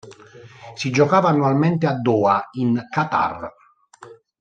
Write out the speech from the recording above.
Si giocava annualmente a Doha in Qatar.